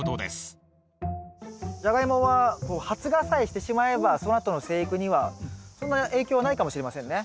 ジャガイモは発芽さえしてしまえばそのあとの生育にはそんな影響はないかもしれませんね。